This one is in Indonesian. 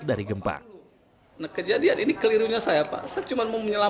ketemu lagi hari minggunya